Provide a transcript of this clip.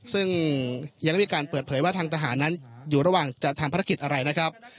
ซึ่งยังได้มีการเปิดเผยว่าทางทหารนั้นอยู่ระหว่างจะทำภารกิจอะไรนะครับ